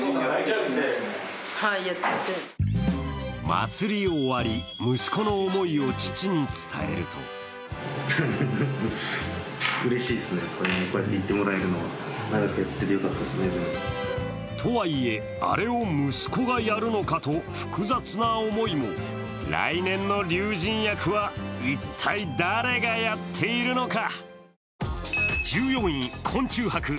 祭りが終わり、息子の思いを父に伝えるととはいえ、あれを息子がやるのかと複雑な思いも来年の龍神役は一体誰がやっているのか。